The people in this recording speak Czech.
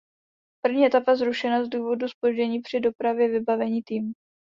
První etapa zrušena z důvodu zpoždění při dopravě vybavení týmů.